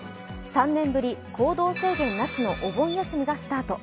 ３年ぶり行動制限なしのお盆休みがスタート。